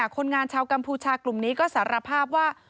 คนงานชาวกัมพูชากลุ่มนี้ก็สารภาพว่า